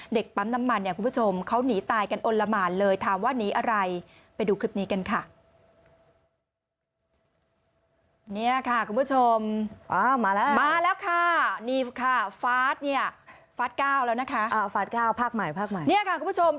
เด็กปั้มน้ำมันอย่างคุณผู้ชม